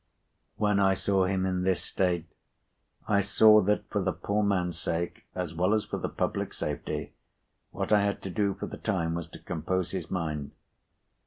When I saw him in this state, I saw that for the poor man's sake, as well as for the public safety, what I had to do for the time was, to compose his mind.